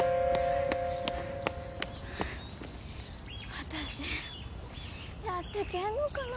私やってけんのかな